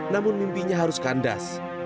namun mimpinya harus kandas